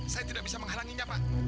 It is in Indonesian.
saya tidak bisa menghalanginya pak